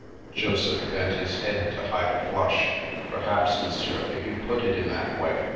Joseph bent his head to hide a flush. " Perhaps, Monsieur, if you put it in that way.